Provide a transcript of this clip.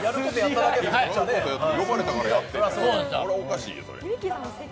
呼ばれたからやってる、これはおかしいよ。